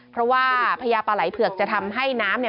เพราะว่าพญาปลาไหลเผือกจะทำให้น้ำเนี่ย